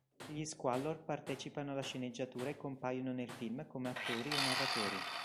Gli Squallor partecipano alla sceneggiatura e compaiono nel film come attori o narratori.